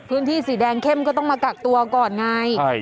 พื้นที่สีแดงเข้มก็ต้องมากักตัวก่อนไง